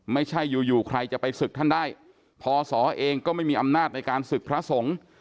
ไม่ใช่อยู่อยู่ใครจะไปศึกท่านได้พศเองก็ไม่มีอำนาจในการศึกพระสงฆ์